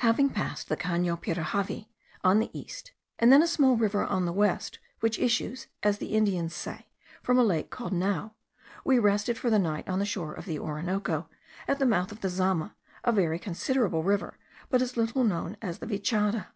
Having passed the Cano Pirajavi on the east, and then a small river on the west, which issues, as the Indians say, from a lake called Nao, we rested for the night on the shore of the Orinoco, at the mouth of the Zama, a very considerable river, but as little known as the Vichada.